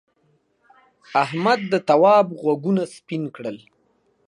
احمد د تواب غوږونه سپین کړل.